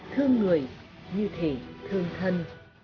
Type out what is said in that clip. thương người như thể thương thân